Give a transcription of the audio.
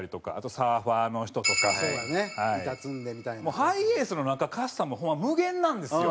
ハイエースの中カスタムはホンマ無限なんですよ。